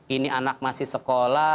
ini anak masih sekolah